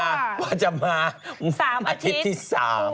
ว่าจะมาอาทิตย์ที่๓